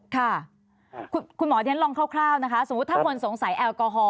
ค่ะคุณหมอที่ฉันลองคร่าวนะคะสมมุติถ้าคนสงสัยแอลกอฮอล